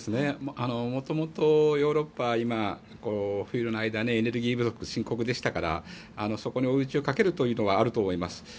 元々、ヨーロッパは今、冬の間エネルギー不足が深刻でしたからそこに追い打ちをかけるというのはあると思います。